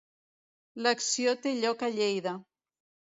L'acció té lloc a Lleida.